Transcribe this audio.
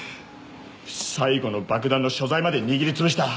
最後の爆弾の所在まで握りつぶした。